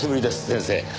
先生。